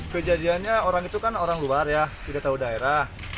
kejadiannya orang itu kan orang luar ya tidak tahu daerah